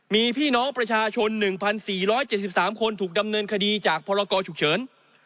มีพี่น้องประชาชน๑๔๗๓คนถูกดำเนินคดีจากพรกรฉุกเฉิน